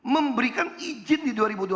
memberikan izin di dua ribu dua puluh